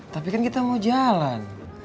tapi kan kita mau jalan